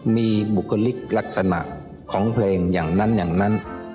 มีบุคลิกลักษณะของเพลงอย่างนั้นอย่างนั้น